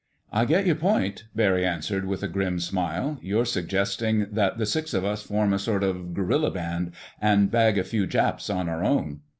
"I get your point," Barry answered with a grim smile. "You're suggesting that the six of us form a sort of guerrilla squad and bag a few Japs on our own.